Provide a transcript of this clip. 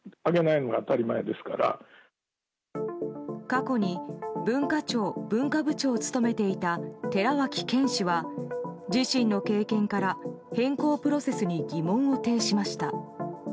過去に文化庁文化部長を務めていた寺脇研氏は自身の経験から変更プロセスに疑問を呈しました。